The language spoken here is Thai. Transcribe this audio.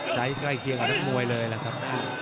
ใกล้เคียงกับบุ๋วยเลยนะครับ